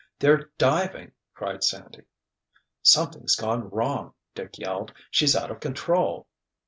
"They're diving!" cried Sandy. "Something's gone wrong!" Dick yelled. "She's out of control!"